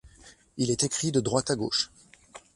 Il est écrit de droite à gauche.